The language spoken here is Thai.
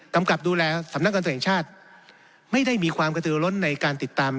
กับดูแลสำนักการตรวจแห่งชาติไม่ได้มีความกระตือล้นในการติดตาม